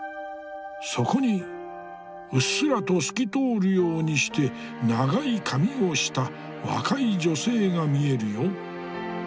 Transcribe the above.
そこにうっすらと透き通るようにして長い髪をした若い女性が見えるよ。